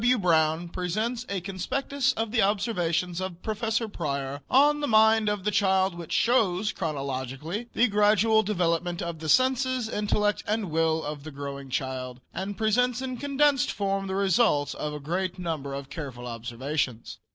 W. Brown presents a conspectus of the observations of Prof. Preyer on the mind of the child which shows chronologically the gradual development of the senses, intellect and will of the growing child and presents in a condensed form the result of a great number of careful observations.